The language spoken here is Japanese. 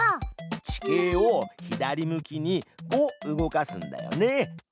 地形を左向きに「５」動かすんだよね。